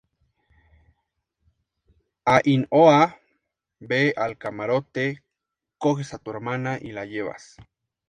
Ainhoa, ve al camarote, coges a tu hermana y la llevas